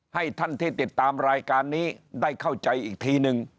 ให้ท่านที่ติดตามรายการนี้ได้เข้าใจอีกทีนึง